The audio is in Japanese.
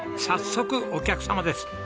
早速お客様です。